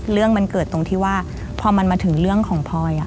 เรื่องมันเกิดตรงที่ว่าพอมันมาถึงเรื่องของพลอย